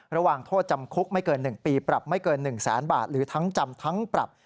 ระหว่างโทษจำคุกไม่เกิน๑ปีปรับไม่เกิน๑แสนบาทหรือทั้งจำทั้งปรับ